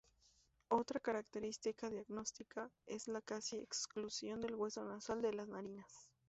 Otra característica diagnóstica es la casi exclusión del hueso nasal de las narinas.